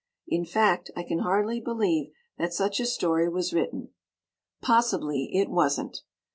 In fact, I can hardly believe that such a story was written. Possibly it wasn't!